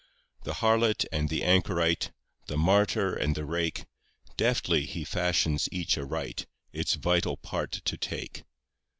3 The harlot and the anchorite, The martyr and the rake, Deftly He fashions each aright, Its vital part to take.